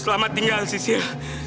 selamat tinggal sih sil